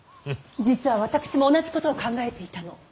実は私も同じことを考えていたの。